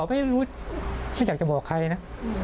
ไม่รู้ฉันอยากจะบอกใครนะ